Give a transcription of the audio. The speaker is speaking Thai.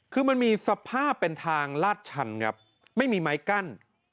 คือมันมีสภาพเป็นทางลาดชันครับไม่มีไม้กั้น